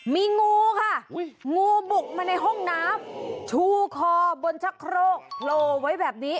มีงูค่ะงูบุกมาในห้องน้ำชูคอบนชะโครกโผล่ไว้แบบนี้